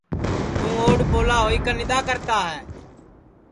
توں اوڈؔ پولا ہوئی کن اِدؔا کرتا ہے